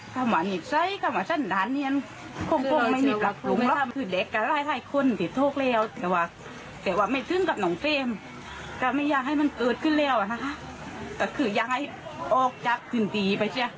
ก็อยากให้โอปท์กระเป๋าดูแลไป